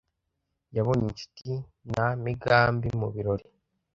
Yabonye inshuti na Migambi mu birori.